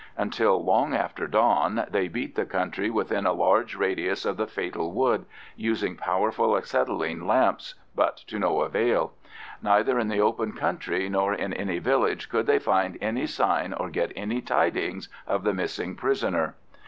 Until long after dawn they beat the country within a large radius of the fatal wood, using powerful acetylene lamps, but to no avail: neither in the open country nor in any village could they find any sign or get any tidings of the missing prisoner.